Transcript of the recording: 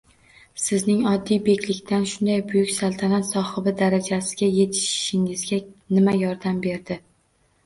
– Sizning oddiy beklikdan shunday buyuk saltanat sohibi darajasiga yetishingizga nima yordam berdi?